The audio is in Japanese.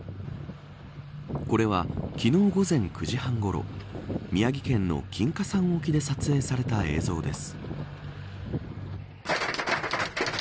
これは、昨日午前９時半ごろ宮城県の金華山沖で撮影された映像です。